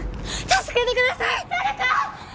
助けてください！